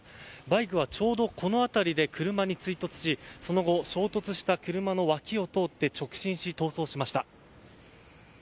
バイクはちょうどこの辺りで車に追突しその後、衝突した車の脇を通って直進し逃走しました。